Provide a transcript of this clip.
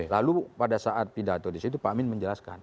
lalu pada saat pidato di situ pak amin menjelaskan